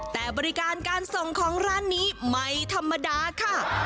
แต่บริการการส่งของร้านนี้ไม่ธรรมดาค่ะ